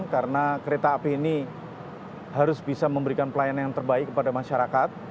karena kereta api ini harus bisa memberikan pelayanan yang terbaik kepada masyarakat